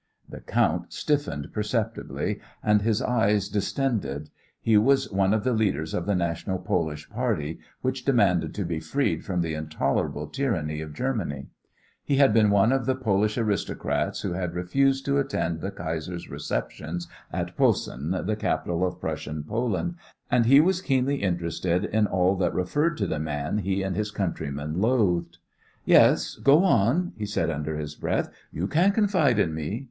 The count stiffened perceptibly, and his eyes distended. He was one of the leaders of the National Polish party which demanded to be freed from the intolerable tyranny of Germany. He had been one of the Polish aristocrats who had refused to attend the Kaiser's receptions in Posen, the capital of Prussian Poland, and he was keenly interested in all that referred to the man he and his countrymen loathed. "Yes, go on," he said under his breath. "You can confide in me.